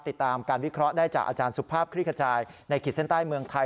ติดตามการวิเคราะห์ได้จากอาจารย์สุภาพคลิกขจายในขีดเส้นใต้เมืองไทย